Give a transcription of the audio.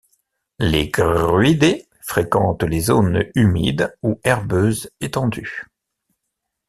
Les gruidés fréquentent les zones humides ou herbeuses étendues.